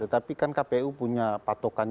tetapi kan kpu punya patokan